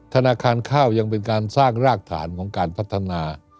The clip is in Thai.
ธนาคารข้าวยังเป็นการสร้างรากฐานของการพัฒนา